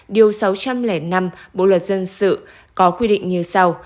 điều sáu trăm linh năm bộ luật dân sự có quy định như sau